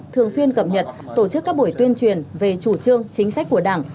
thường xuyên cập nhật tổ chức các buổi tuyên truyền về chủ trương chính sách của đảng